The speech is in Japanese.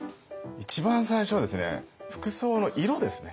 一番最初はですね服装の色ですね。